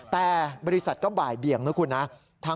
แต่บริษัทก็บ่ายเบียงนะคุณนะ